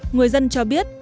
người dân cho biết